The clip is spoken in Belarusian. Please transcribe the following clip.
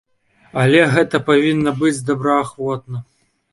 Але гэта павінна быць добраахвотна.